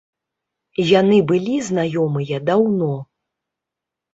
Яны былі знаёмыя даўно.